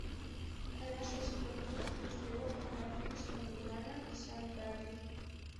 Además, su estilo grunge los llevó a comparaciones con Nirvana y Soundgarden.